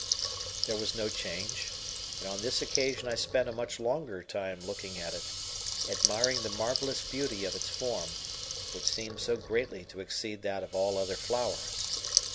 There was no change; and on this occasion I spent a much longer time looking at it, admiring the marvellous beauty of its form, which seemed so greatly to exceed that of all other flowers.